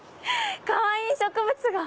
かわいい植物が！